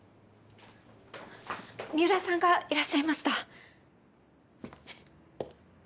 三浦さんがいらっしゃいました。